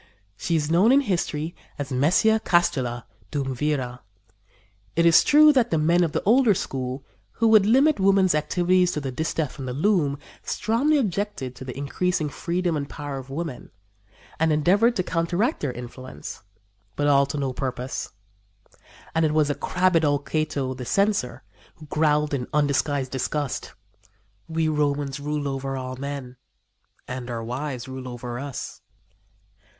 She is known in history as Messia Castula, duumvira. It is true that the men of the older school, who would limit woman's activities to the distaff and the loom, strongly objected to the increasing freedom and power of women, and endeavored to counteract their influence; but all to no purpose. And it was the crabbed old Cato, the Censor, who growled in undisguised disgust: "We Romans rule over all men and our wives rule over us."